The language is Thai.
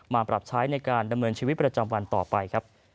มาปรับใช้ในการดำเนินชีวิตประจำวันต่อไปครับ